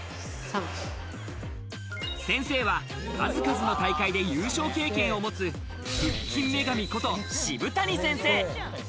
先生は、数々の大会で優勝経験を持つ、腹筋女神こと渋谷先生。